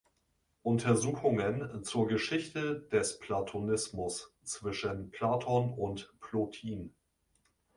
Untersuchungen zur Geschichte des Platonismus zwischen Platon und Plotin".